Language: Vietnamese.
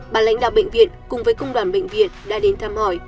bà lãnh đạo bệnh viện cùng với công đoàn bệnh viện đã đến thăm hỏi